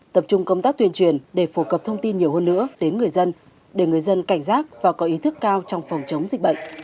tập trung công tác tuyên truyền để phổ cập thông tin nhiều hơn nữa đến người dân để người dân cảnh giác và có ý thức cao trong phòng chống dịch bệnh